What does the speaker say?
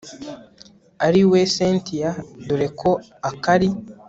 ariwe cyntia dore ko akari